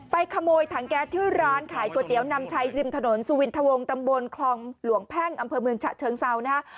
ขโมยถังแก๊สที่ร้านขายก๋วยเตี๋ยวนำชัยริมถนนสุวินทวงตำบลคลองหลวงแพ่งอำเภอเมืองฉะเชิงเซานะฮะ